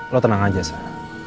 lo tenang aja sak